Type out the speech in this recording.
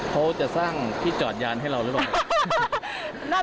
เขาจะสร้างที่จอดยานให้เราหรือเปล่า